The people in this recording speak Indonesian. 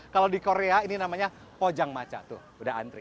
kalau di korea ini namanya pojangmaca tuh udah antri